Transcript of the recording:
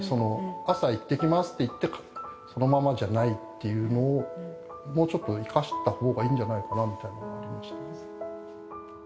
朝いってきますって言ってそのままじゃないっていうのを、もうちょっと生かしたほうがいいんじゃないかなと思いましたね。